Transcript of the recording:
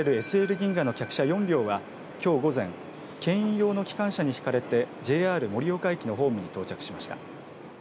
銀座銀河の客車４両はきょう午前けん引用の機関車に引かれてＪＲ盛岡駅のホームに到着しました。